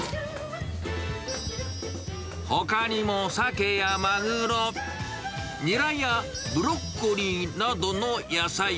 ほかにも、サケやマグロ、ニラやブロッコリーなどの野菜。